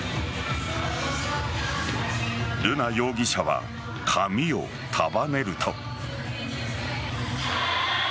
瑠奈容疑者は、髪を束ねると。